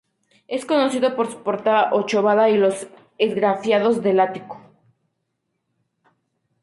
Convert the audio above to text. Es conocido por su portada ochavada y los esgrafiados del ático.